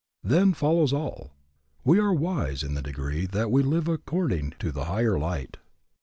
Then follows all. We are wise in the degree that we live according to the higher light.